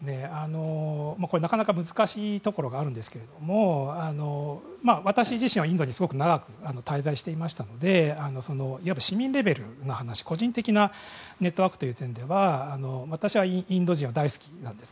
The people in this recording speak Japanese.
なかなか難しいところがあるんですけど私自身はインドにすごく長く滞在していましたのでいわば市民レベルの話個人的なネットワークという意味では私はインド人は大好きなんです。